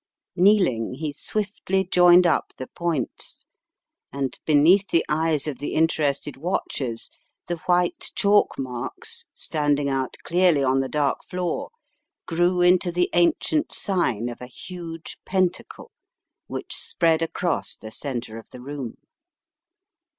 Kneeling, he swiftly joined up the points, and be neath the eyes of the interested watchers the white chalk marks, standing out clearly on the dark floor, grew into the ancient sign of a huge pentacle which spread across the centre of the room.